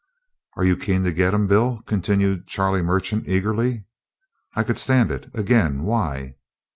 "Are you keen to get him, Bill?" continued Charlie Merchant eagerly. "I could stand it. Again, why?"